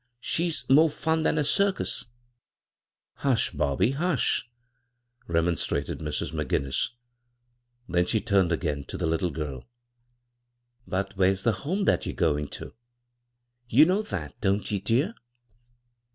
She's more fun than a circus 1 "" Hush, Bobby, hush," remonstrated Mrs. McGinnis ; then she turned again to the Htde girL " But Where's the home that yer goaa' to? You know that ; don't ye, dear